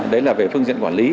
đấy là về phương diện quản lý